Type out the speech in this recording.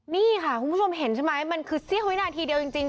นี่ค่ะคุณผู้ชมเห็นใช่ไหมมันคือเสี้ยววินาทีเดียวจริง